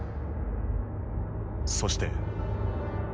そして。